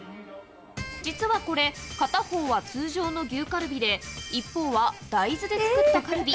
実はこれ、片方は通常の牛カルビで、一方は大豆で作ったカルビ。